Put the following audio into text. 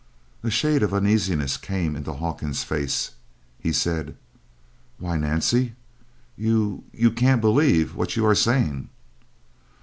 A shade of uneasiness came into Hawkins's face. He said: "Why, Nancy, you you can't believe what you are saying."